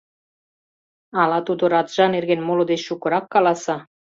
Ала тудо раджа нерген моло деч шукырак каласа”.